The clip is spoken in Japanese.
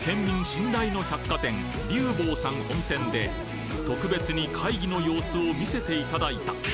信頼の百貨店リウボウさん本店で特別に会議の様子を見せていただいた。